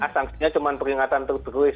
sanksinya cuma peringatan terus terus